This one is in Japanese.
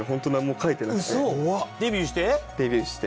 デビューして？